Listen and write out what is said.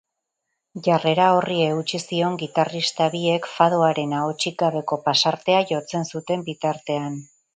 Jarrera horri eutsi zion gitarrista biek fadoaren ahotsik gabeko pasartea jotzen zuten bitartean.